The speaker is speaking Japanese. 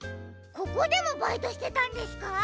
ここでもバイトしてたんですか？